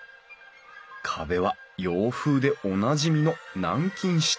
壁は洋風でおなじみの南京下